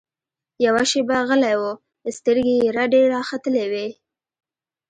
يوه شېبه غلى و سترګې يې رډې راختلې وې.